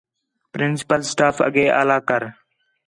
پرنسپل سٹاف اگے آلا کر